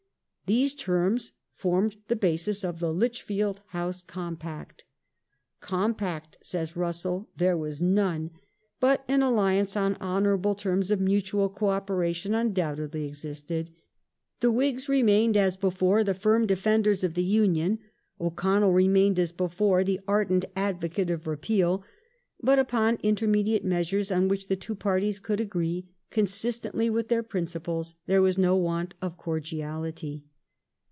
These terms formed the basis of the ''Lich field House Compact". "Compact," says Russell,^ "there was none, but an alliance on honourable terms of mutual co operation undoubtedly existed. The Whigs remained as before the firm defendei^s of the Union ; O'Connell remained as before the ardent advocate of Repeal ; but upon intermediate measures on which the two parties could agree, consistently with their principles, there was no want of cordiality.